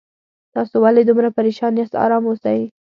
تاسو ولې دومره پریشان یاست آرام اوسئ